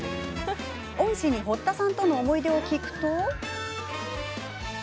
恩師に堀田さんとの思い出を聞くと。